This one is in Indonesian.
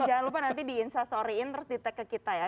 jangan lupa nanti di instastoryin terus di tag ke kita ya